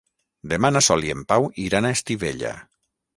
Demà na Sol i en Pau iran a Estivella.